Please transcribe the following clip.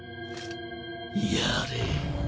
やれ。